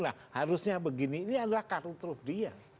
nah harusnya begini ini adalah kartu truk dia